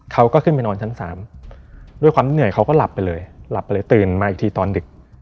เขาก็ขึ้นไปนอนชั้น๓ด้วยความเหนื่อยเขาก็หลับไปเลยหลับไปเลยตื่นมาอีกทีตอนดึก